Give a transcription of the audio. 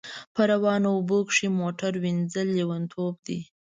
په روانو اوبو کښی موټر وینځل لیونتوب دی